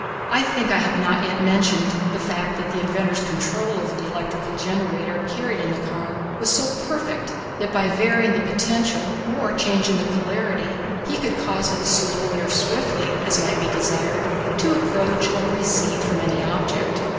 I think I have not yet mentioned the fact that the inventor's control over the electrical generator carried in the car was so perfect that by varying the potential or changing the polarity he could cause it slowly or swiftly, as might be desired, to approach or recede from any object.